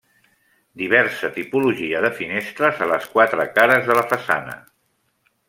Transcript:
Diversa tipologia de finestres a les quatre cares de la façana.